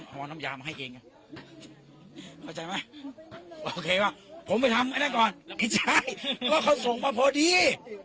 หอน้ำยามาให้เกรงคิดใช่แล้วเขาส่งมาพอดี